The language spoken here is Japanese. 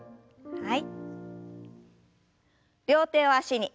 はい。